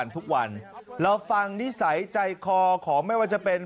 ทุกวันเราฟังนิสัยใจคอของไม่ว่าจะเป็น